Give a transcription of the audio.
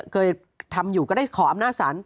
เคยทำอยู่ก็ได้ขออำนาจศาล